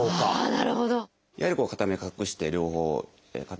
なるほど。